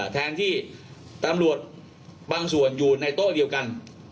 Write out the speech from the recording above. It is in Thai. แทนที่ตำรวจบางส่วนอยู่ในโต๊ะเดียวกัน